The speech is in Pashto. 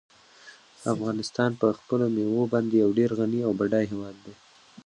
افغانستان په خپلو مېوو باندې یو ډېر غني او بډای هېواد دی.